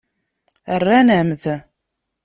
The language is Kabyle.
Rran-am-t.